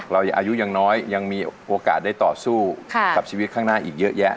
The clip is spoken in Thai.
อายุยังน้อยยังมีโอกาสได้ต่อสู้กับชีวิตข้างหน้าอีกเยอะแยะ